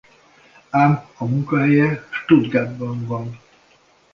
Ám a munkahelye Stuttgartban van.